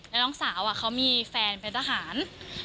แล้วน้องสาวเขามีแฟนเป็นทหาร